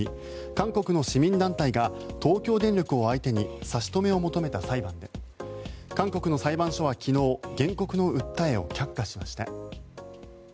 韓国の市民団体が東京電力を相手に差し止めを求めた裁判で韓国の裁判所は昨日原告の訴えを却下しました。